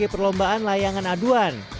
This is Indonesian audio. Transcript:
di tempat yang kaya